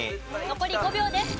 残り５秒です。